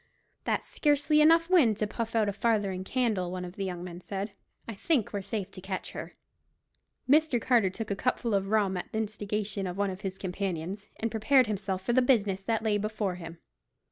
"There's scarcely enough wind to puff out a farthing candle," one of the young men said. "I think we're safe to catch her." Mr. Carter took a cupful of rum at the instigation of one of his companions, and prepared himself for the business that lay before him.